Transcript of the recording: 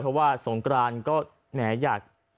เพราะว่าสงกรานก็แหมอยาก